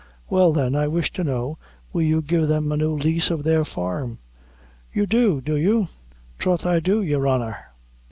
"Well, then, I wish to know, will you give them a new lease of their farm?" "You do! do you?" "Troth I do, your honor."